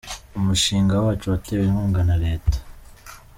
Umushinga wacu watewe inkunga na leta.